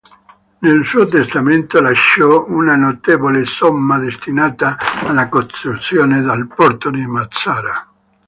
Nel suo testamento lasciò una notevole somma destinata alla costruzione del porto di Mazara.